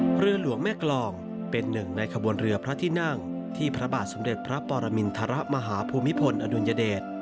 เรือหลวงแม่กลองเป็นหนึ่งในขบวนเรือพระที่นั่งที่พระบาทสมเด็จพระปรมินทรมาฮภูมิพลอดุลยเดช